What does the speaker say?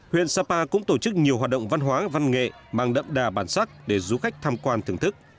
huyện sapa cũng tổ chức nhiều hoạt động văn hóa văn nghệ mang đậm đà bản sắc để du khách tham quan thưởng thức